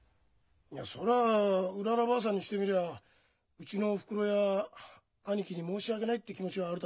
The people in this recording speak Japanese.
いやそりゃうららばあさんにしてみりゃうちのおふくろや兄貴に申し訳ないって気持ちがあるだろう。